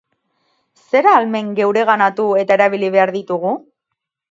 Zer ahalmen geureganatu eta erabili behar ditugu?